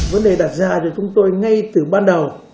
vấn đề đặt ra cho chúng tôi ngay từ ban đầu